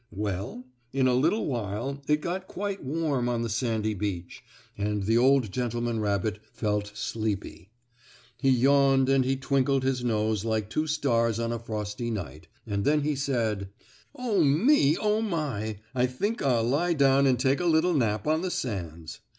Well, in a little while it got quite warm on the sandy beach, and the old gentleman rabbit felt sleepy. He yawned and he twinkled his nose like two stars on a frosty night, and then he said: "Oh, me! Oh, my! I think I'll lie down and take a little nap on the sands."